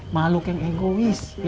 makhluk yang egois ye